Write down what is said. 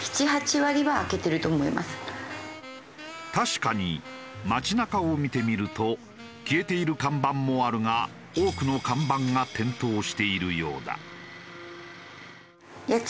確かに街なかを見てみると消えている看板もあるが多くの看板が点灯しているようだ。